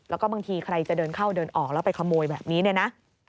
แล้วก็บางทีใครจะเดินเข้าเดินออกแล้วไปขโมยแบบนี้เนี่ยนะ